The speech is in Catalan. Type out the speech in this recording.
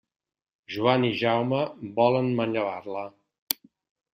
Joan i Jaume volen manllevar-la.